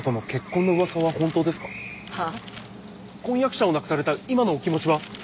婚約者を亡くされた今のお気持ちは？